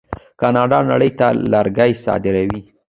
کاناډا نړۍ ته لرګي صادروي.